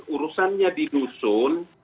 urusannya di dusun